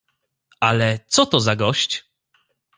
"Ale co to za gość?"